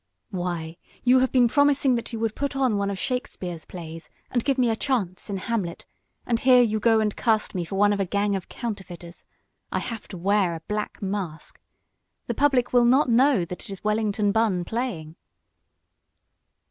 "Why, you have been promising that you would put on one of Shakespeare's plays, and give me a chance in Hamlet, and here you go and cast me for one of a gang of counterfeiters. I have to wear a black mask. The public will not know that it is Wellington Bunn playing."